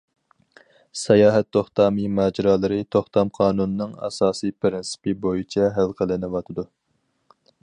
ساياھەت توختامى ماجىرالىرى توختام قانۇنىنىڭ ئاساسى پىرىنسىپى بويىچە ھەل قىلىنىۋاتىدۇ.